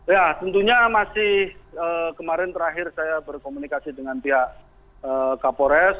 ya tentunya masih kemarin terakhir saya berkomunikasi dengan pihak kapolres